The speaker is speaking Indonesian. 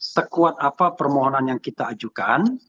sekuat apa permohonan yang kita ajukan